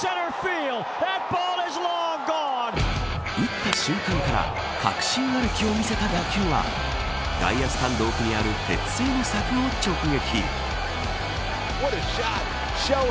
打った瞬間から確信歩きを見せた打球は内野スタンド奥にあるネットに直撃。